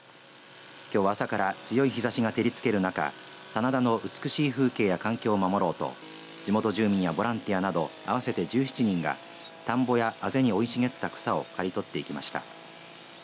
きょうは朝から強い日ざしが照りつける中棚田の美しい風景や環境を守ろうと地元住民やボランティアなど合わせて１７人が田んぼやあぜに生い茂った草を刈り取っていきました。